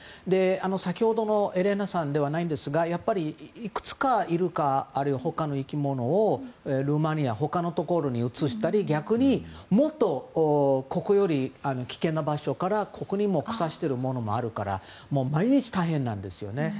先ほどのエレーナさんではないですがやっぱりいくつかイルカあるいは他の生き物をルーマニア他のところに移したり逆にもっとここより危険な場所からここに来させてるものもあるから毎日大変なんですよね。